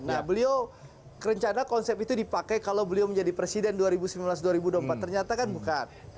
nah beliau kerencana konsep itu dipakai kalau beliau menjadi presiden dua ribu sembilan belas dua ribu dua puluh empat ternyata kan bukan